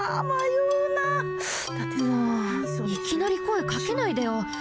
もういきなりこえかけないでよ。